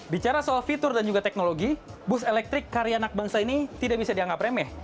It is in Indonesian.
bicara soal fitur dan juga teknologi bus elektrik karya anak bangsa ini tidak bisa dianggap remeh